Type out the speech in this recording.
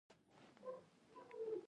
آیا لیتیم د راتلونکي انرژۍ لپاره مهم دی؟